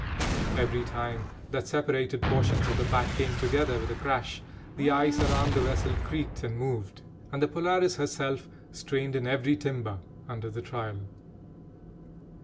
Every time that separated portions of the pack came together with a crash, the ice around the vessel creaked and moved, and the Polaris herself strained in every timber under the trial.